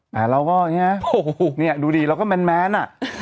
แต่เราก็เนี่ยดูดิเราก็แมน